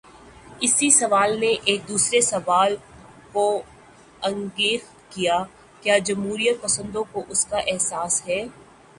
اسی سوال نے ایک دوسرے سوال کو انگیخت کیا: کیا جمہوریت پسندوں کو اس کا احساس ہے؟